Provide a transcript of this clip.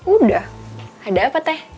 udah ada apa teh